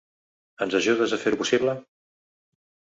Ens ajudes a fer-ho possible?